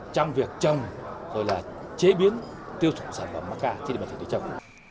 trong việc trồng rồi là chế biến tiêu thụ sản phẩm mắc ca trên địa bàn tỉnh tây trong